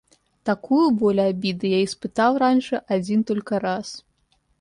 Такую боль обиды я испытал раньше один только раз.